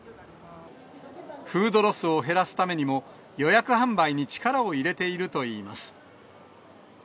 フードロスを減らすためにも、予約販売に力を入れているといいます。